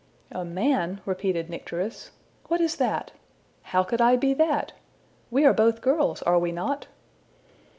'' ``A man?'' repeated Nycteris. ``What is that? How could I be that? We are both girls are we not?''